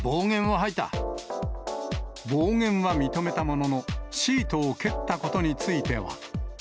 暴言は認めたもののシートを蹴ったことについては。